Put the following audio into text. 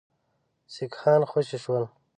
سیکهان خوشي شول.